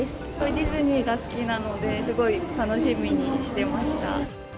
ディズニーが好きなので、すごい楽しみにしてました。